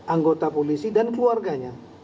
anggota polisi dan keluarganya